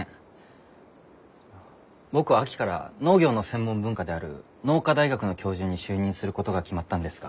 僕は秋から農業の専門分科である農科大学の教授に就任することが決まったんですが。